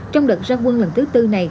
trong đợt ra quân lần thứ tư này